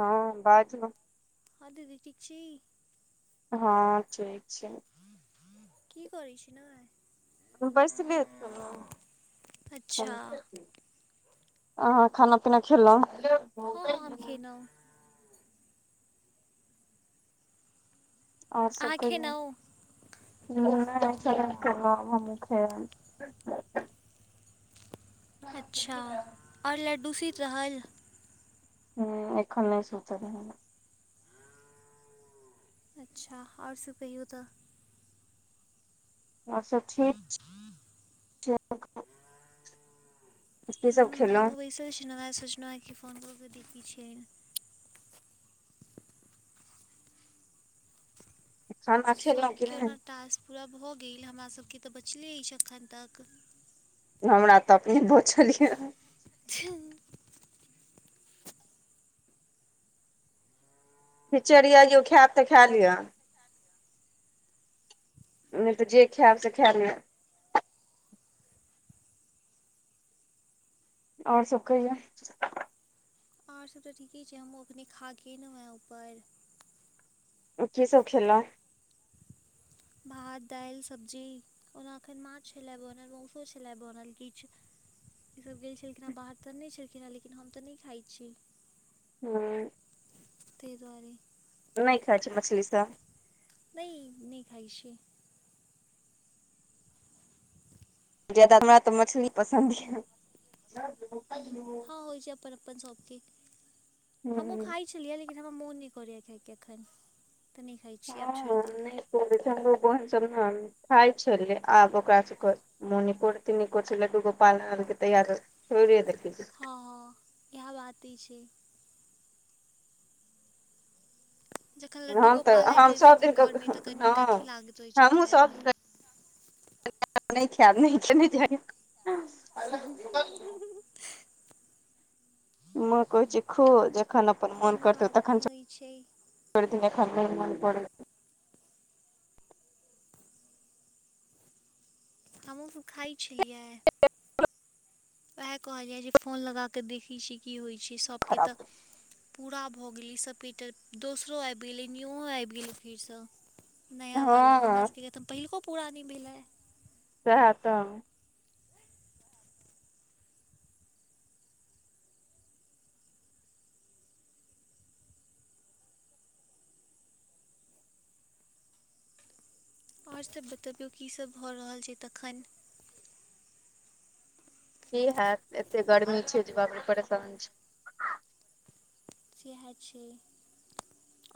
हँ बाज नऽ। हँ दीदी ठीक छी? हँ ठीक छी। की करैय छी नैय। बैसले छेलौ। अच्छा [unintelligible] आहाँ खाना पीना खेलौ? हँ हँ हम खेेलौ। और सब अहाँ कहियो? खेलहुँ हम [unintelligible] केलौ मम्मी खेलक। अच्छा और लड्डू सूइत रहल? हँ एखन नै सुतल हन। अच्छा और सब कहियौ तऽ? और सब ठीक छै, छै एखन। हूँ हमहुँ बैसल छेलौ हेँ सोचलौ ए कि फोन कऽ के देखै छियै। खाना सब खेलहुँ कि के ओना नहि टास्क पूरा भऽ गेल हमरा सबके तऽ बचले अइछ अखन तक। हमरा तऽ अपने बचल या। छैय। खिचड़िया यौ खेएब तऽ खा लिअ। नै तऽ जे खेएब से खेएय नै। और सब कहियौ? और सब तऽ ठीके छै हमहूँ अखने खाके ऐलौ हेँ ऊपर। की सब खेलौ? भात, दैल, सब्जी। ओना एखन माछ छेल्लए बनल मौसो छेल्लए बनल किछ। ईसब गेल छलखिन हेँ बाहर तऽ नै छेलखिन हेँ लेकिन हम तऽ नै खाय छी। हँ। तैय दुआरे। नै खाय छी मछली सब। नै- नै खाय छी। जादा हमरा तऽ मछली पसंन्द या। [unintelligible] हँ होय छै अपन अपन सबके हमू हँ खाय। छेलियै लेकिन हमरा मोन नै करैए खाएके अखन तऽ नै खाय छी आब छोइड़ देलियै। [unintelligible] चंन्दो बहिन सब नऽ खाय छेलै आब ओकरा सब के - मोने कुरती निको छेलै दुगो पालन तैयार तोड़े देलकै। हँ हँ इएह बाते छै। जखन लड्डू हम तऽ गोपाल आइब हम जाय सब दिन छथिन के घरमे तऽ कनी हँ अथी लागैत रहै छै हमहूँ खाएमे- नै खेएब नै [unintelligible] ह-ह-ह माँ कहै छैय खो जखन अपन मोन कोनो करतौ बात नहि तखन सँ। होइत छै छोइड़ [unintelligible] हमहूँ तू खाइ छलियै। उएह कहलिये जे फोन लगा कऽ देखैत छी की होइत छै सभके तऽ। खराब पूरा भऽ गेलै ई सपेटर दोसरो आबि गेलै निओ आबि गेलै फेरसँ। नया वाला हमरा हँ सबके तऽ पहिलको पूरा नहि भेलै। सएह तऽ। आओर सभ बतबियौ कीसभ भऽ रहल छै तखन की हैत एते गर्मी छै जे बापरे परेशान छै। सेएह छै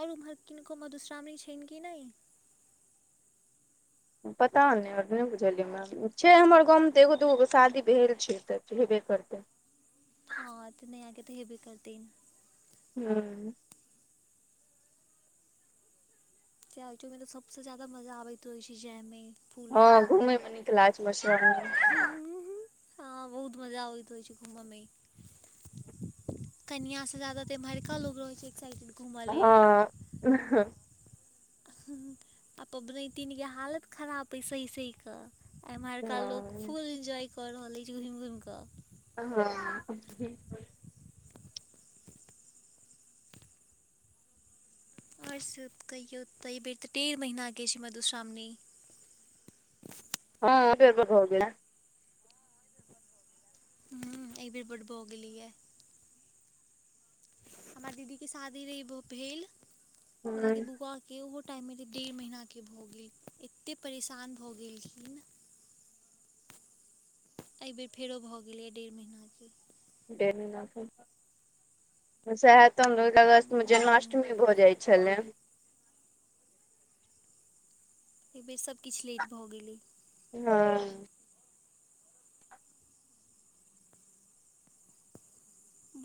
आओर ओम्हर किनको मधुश्रावणी छनि कि नहि? पता नहि अर् नय भुजलीये यऽ। छै हमर गामवमे तऽ एगो दूगो शादी भेल छै तऽ हेबे करतै। हँ तऽ नया के तऽ हेब्बे करते। हूँ जा [unintelligible] मे त सबसँ ज्यादा मजा आबैत रहै छै जायमे फूल हँ ओढ़यमे घुमै मे नीक लागै छै मस हँ बहुत मजा आबैत रहित छै घूमऽमे। कनिआ सऽ जादा त इमहरिका लोग रहै छै एक्साइटेड घूमय लेल आ। आ पबनैतन के हालत खराब अइ सही सही क एमारका लोक हँ फुल एंजॉय कर रहल अइछ घुमि घुम कऽ हां। आओर सब कहियो तै बेर तऽ डेढ़ महीना अइछ मधुश्रावणी हँ अबहो गेलै ने [unintelligible] ह ई बेर बड बो गेली है। हमर दीदी के शादी रहै अइबो भेल हँ मतलब क बूआ। के ओहो टाइममे डेढ़ महीनाके भऽ गेल एतेक परेशान भऽ गेलखिन। एहिबेर फेरो भऽ गेलैए डेढ़ महिना के डेढ़ महीना से ऊपर सेहै तऽ अगस्त में जन्माष्ट हूँ अष्टमी भऽ जाइत छलै। एहि बेेर सभकिछु लेट भऽ गेलै। हँ।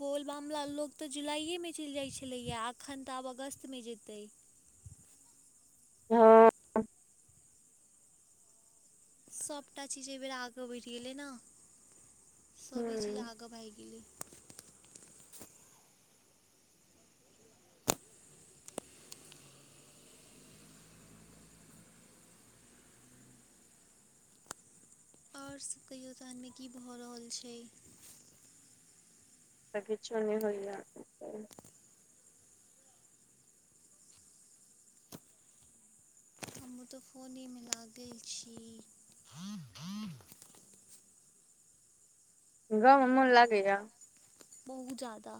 बोलबामला लोक तऽ जुलाइएमे चलि जाइत छलैए अखन तऽ आब अगस्तमे जेतै। हँ। सभटा चीज एहिबेर आगाँ बढ़ि गेलै ने सभी चीज हूँ आगाँ भागि गेलै। आर सब कहियो दानमे की भऽ रहल छै। तऽ किछो नहि होइए। हमूँ तऽ फोनेमे लागल छी। गाँव मे मोन लागैया। बहुत जादा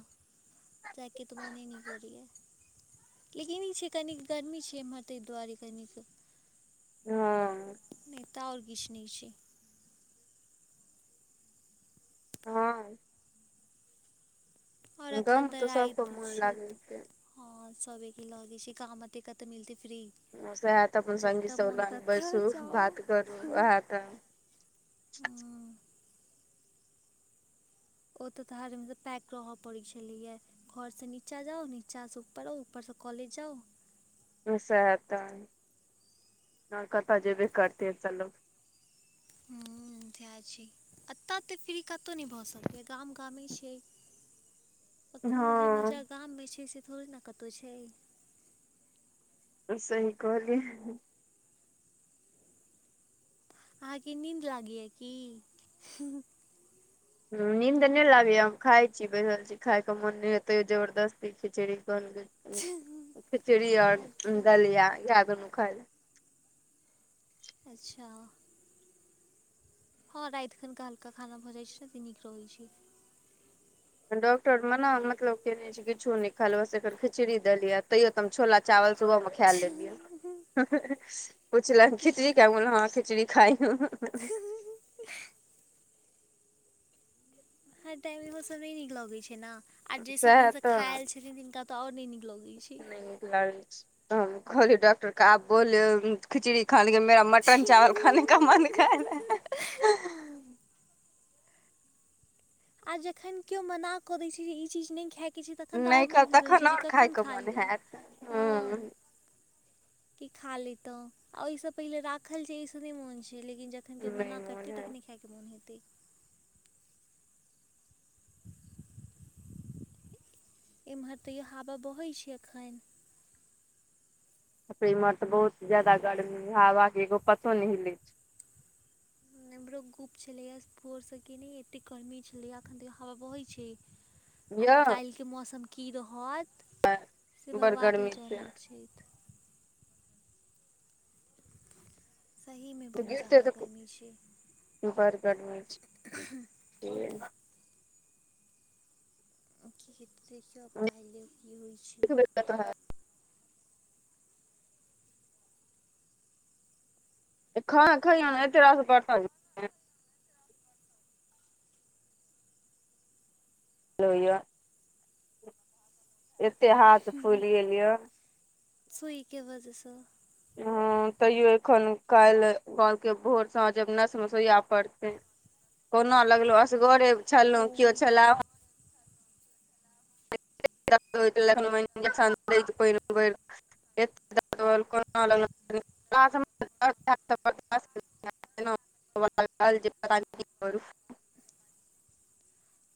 जाएके तऽ मोने नहि करियै। लेकिन ई छै कनिक गर्मी छै एम्हर ताहि दुआरे कनिक हँ नहि तऽ आओर किछु नहि छै। हँ। आओर एखन गाँवमे तऽ सबके राति मोन छित लागैत छै हँ सबेके लगे छै काहते कतऽ मिलते फ्री सहए तऽ अपन संगी जतऽ सब मोन लग बैसू ततऽ बात करू उएह तऽ। हां आ। ओतऽ तो घर मे त पैक रहऽ पड़ै छलैया। घरसँ नीचाँ जाउ, नीचासं ऊपर आउ, ऊपरसँ कॉलेज जाउ। ओ सैह त और कतऽ जेबे करतै त लो हम्म तएह छै, एतऽ एत्ते फ्री कतौ नहि भऽ सकैय गाम गामे छै। [inaudible] अखनो जे मजा हँ गाममे छै, से थोड़े न कतऊ छै। तऽ सही कहलियै। अहाँके नींद लागैया की। नींद नहि लागैए, हम खाय छी बैसल छि। इ खाय क मोन नहि होय यैं, तैयो जबरदस्ती खिचड़ी कहलकय खिचड़ी आओर अच्छा दलिया इहै दुनू खाई लै। अच्छा हँ राति खन क हल्का खाना भऽ जाइ छै न त नीक रहै छै। डॉक्टर मना मतलब केने छै, किछो नहि खाय लऽ एकर खिचड़ी, देलिया तैयो हम छोला चावल सुबह मे छै खैए लेलियै। पुछलन की खिचड़ी कहू खैऽ, हं खिचड़ी खेलौ। हर टाइम इहो सब नहि नीक लगे छै न, आ जे सब दिन सएह से तऽ खा ऐल छथिन तिनका त और नहि नीक लगे नहि नीक लागै छैइ तहनो खाउ। कहलियै डॉक्टर क अहां कहलऊ खिचड़ी खाय ल, हमरा मौंस, भात खाय के मोन करै यैं। [unintelligible] आ जखन कियो मना कऽ दै छै जे ई चीज नहि खाय के छै तखन तऽ नहि और मोन खायब होइत रहै तखन छय जे, आओर कखन खायके खा मोन लिय। हैत हँ कि खा लैतऊ, आ ओहिसँ पहिने राखल जे एहिं से नहि मोन छै, लेकिन जखन कियो नहि मना कर मोन तै हैत तखन खाइके मोन हेतै। [inaudible] एम्हर तैयों हवा बहै छै अखैन। बाप रे इम्हर तऽ बहुत जादा गर्मी, हवा के एगो पतो नहि हिलै छै। हम्म इमहरो गुप छलै या भोर स केने, एते गर्मी छलै यैं, अखन तैयो हवा बहै छै। [inaudible] आब काल्हिके मौसम की रहत से बड़ भगवाने गर्मी छै जनै छैथ। सहीमे बहुत गिरतै ज्यादा तऽ गरमी छै। बड़ गर्मी छै बुझलियै। की हेतै देखियौ आब काइलो की होइ छै। [unintelligible] एखन खरियान में एते रास बर्तन [unintelligible] लोहिया एते हाथ फूलि गेल यऽ। सुई के वजह सऽ ह तैयो एखन काल्ह कहलकै, भोर सांझ आब नस मे सइया पड़तै। कोना लगल‌ऊ असगरे छलहुँ, ओहो कियो छलैह [unintelligible] [unintelligible] [unintelligible]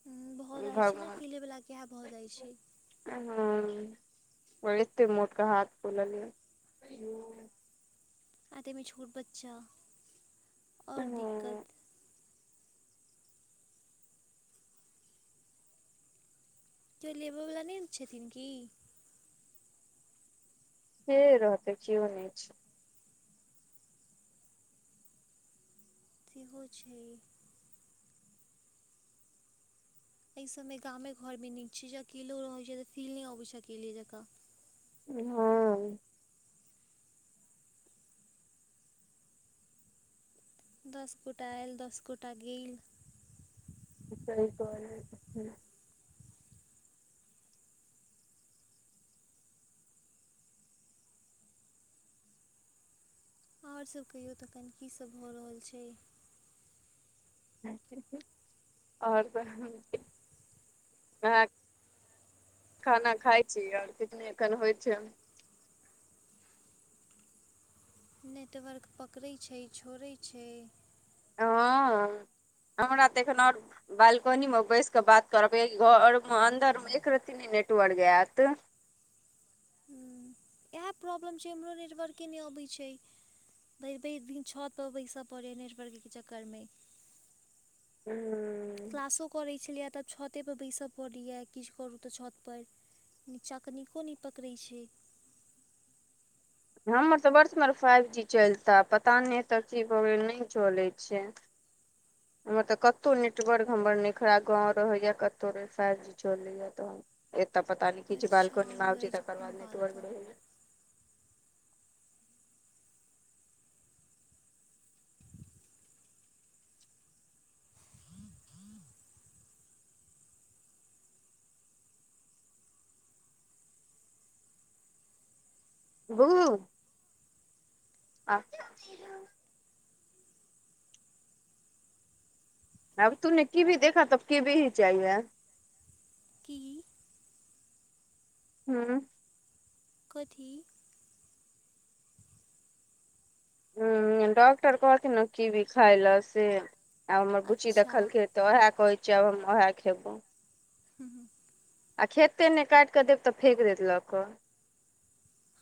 हम्म भऽ जाइ छै न किले वला के इहै भऽ जाइ छै। ह ओं एते मोट क हाथ फुलल यऽ। आतेमे छोट बच्चा आओर हँ दिक्कत कियो लेबऽवला नहि छथिन की के रहतै कीओ नहि छै सेहो छै। एहि सब मे गामे घर में नीक छै जे अकेलो रहे छै तऽ फील नहि अबे छै अकेले जकाँ। हंँ। दस गोटा आयल दस गोटा गेल सही कह लिए आओर सभ कहियौ तकन की सभ भऽ रहल छै आओर तहन कि खाना खाइ छी आओर कितने एखन होइ छै। नेटवर्क पकड़ैत छै छोड़ैत छै हँ हमरा तऽ एखन आओर बालकोनी मे बैस क बात करबे घर मे अन्दर मे एक रती ने नेटवर्क एत। हू। इएह प्रॉब्लम छै इमरो नेटवर्के नहि अबैत छै। भैर -भैर दिन छत पर बैसऽ पड़ैय नेटवर्कके चक्करमे। हूँ। क्लासो करैत छलियै तब छतेपर बैसय पड़ैए किछु करू तऽ छतपर। नीचाँ कनिको नहि पकड़ै छै। हमर तऽ बड सुंदर फाइव जी चलता पता नहितय चीज भऽ गेलै नहि चलैत छै। हमर तऽ कतहु नेटवर्क हमर नहि खराब गाँव रहैए कतहु रह फाइव जी चलैए तऽ एतऽ पता न की अच्छा बालकोनीमे बोलै आबैची छै तकर बाद कोनो नेटर्क गालके रहयै य। बू अब तूमने कीवी देखा तऽ कीवी ही चाहिएै। की। हूँ। कथी ह डॉक्टर कहखिन ने कीवी खाइ लए से आ हमर बुच्ची अच्छा देखलखिन तऽ ओएह कहै छै आब हम ओह खेबौ। हू हू आ खेते नहि काटि कऽ देब तऽ फेक देत लऽ कऽ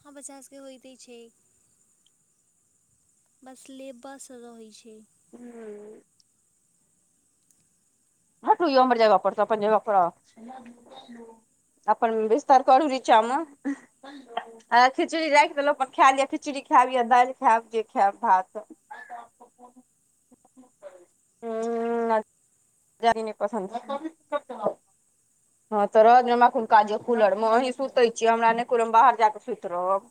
हँ बच्चा सबके होइते छै। बसले लेब सऽ रहैत छै हूँ ह टु यौ हमर जगह पर सेऽअपन जगह पर आउ अपनन विस्तर करू निचामे। आ खिचड़ी राखि देलहुँ अपन खाय ल खिचड़ी खायब य दालि खायब जे खायब भात हूं हूं जादे नहि पसन्द छै हँ तऽ रह देहि हमरा कोन काज य कूलर मे अहीं सुते छियै हमरा नहि कुनौ बाहर जाय क सुति रहब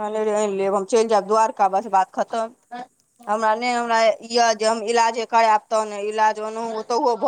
भनेरे आनि लेब हम चलि जायब दुआारका बस बात खतम। हमरा ने हमरा इे जे हम इलाजे करायब तऽ ने इलाज ओनौ ओतौहो